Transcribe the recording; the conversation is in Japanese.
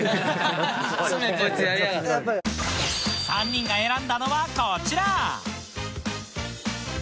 ３人が選んだのはこちら！